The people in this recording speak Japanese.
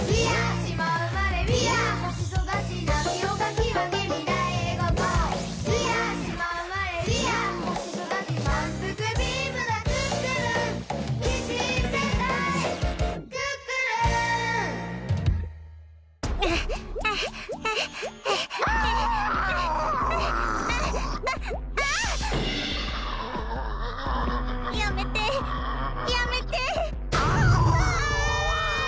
やめてやめて。